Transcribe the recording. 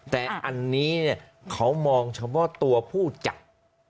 แต่อันนี้เขามองเฉพาะตัวผู้จัด